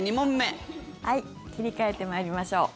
切り替えて参りましょう。